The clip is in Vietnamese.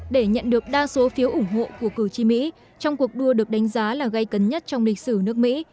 để nhận được đa số phiếu ủng hộ của cử tri mỹ trong cuộc đua được đánh giá là gây cấn nhất trong lịch sử nước mỹ